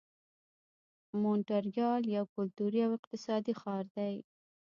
مونټریال یو کلتوري او اقتصادي ښار دی.